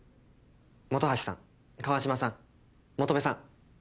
本橋さん川嶋さん本部さん。